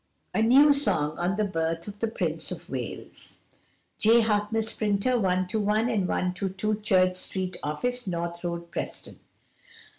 A NEW SONG ON THE BIRTH OF THE PRINCE OF WALES J. Harkness, Printer, 121 and 122 Church Street Office, North Road, Preston.